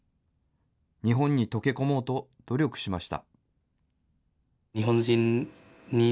日本に溶け込もうと努力しました。